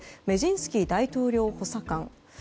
メジンスキー大統領補佐官。